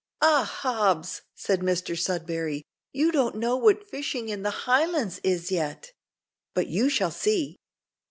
"Ah! Hobbs," said Mr Sudberry, "you don't know what fishing in the Highlands is, yet; but you shall see.